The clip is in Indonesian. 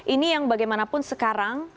ini yang bagaimanapun sekarang